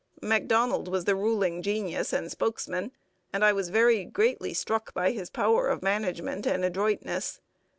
Macdonald was the ruling genius and spokesman, and I was very greatly struck by his power of management and adroitness.